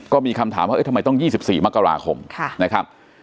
ก็มีคำถามว่าทำไมต้อง๒๔มกราคมนะครับ